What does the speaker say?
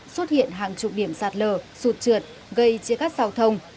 xuất hiện hàng chục điểm sạt lờ sụt trượt gây chia cắt xào thông